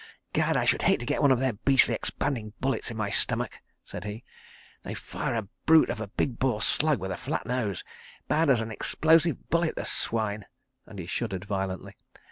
"Gad! I should hate to get one of their beastly expanding bullets in my stomach," said he. "They fire a brute of a big bore slug with a flat nose. Bad as an explosive bullet, the swine," and he shuddered violently.